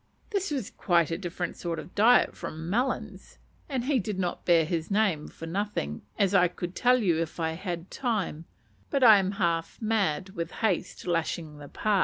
This was quite a different sort of diet from "melons;" and he did not bear his name for nothing, as I could tell you if I had time; but I am half mad with haste, lashing the pa.